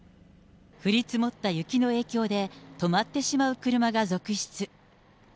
降り積もった雪の影響で、止まってしまう車が続出。